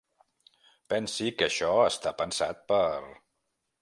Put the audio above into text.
Pensi que això està pensat per...